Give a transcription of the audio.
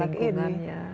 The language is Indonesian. iya dengan lingkungannya